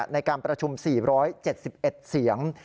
ในการประชุม๔๗๑เสียง